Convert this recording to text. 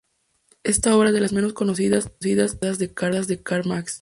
Esta obra es de las menos conocidas y estudiadas de Karl Marx.